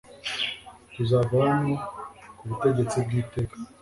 tuzava hano kubutegetsi bw'iteka